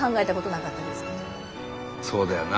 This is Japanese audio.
そうだよな。